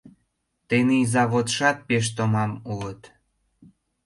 Тений заводшат пеш томам улыт...